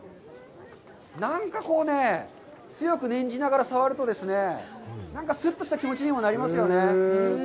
なんかこう、強く念じながらさわりますと、すっとした気持ちにもなりますよね。